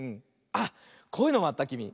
あっこういうのもあったきみ。